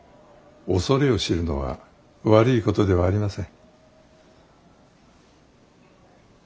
恐れを知るのは悪いことではありません。